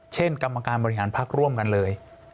เช่นกรรมการบริหารภักษ์ร่วมกันเลย